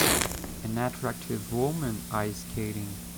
An attractive women ice skating.